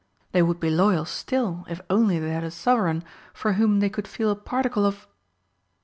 They would be loyal still, if only they had a sovereign for whom they could feel a particle of